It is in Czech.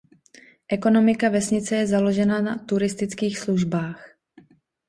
Ekonomika vesnice je založena na turistických službách.